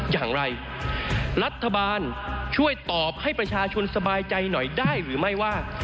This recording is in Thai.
อย่างไรรัฐบาลช่วยตอบให้ประชาชนสบายใจหน่อยได้หรือไม่ว่า